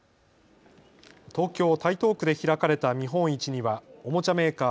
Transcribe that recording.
東京台東区で開かれた見本市にはおもちゃメーカー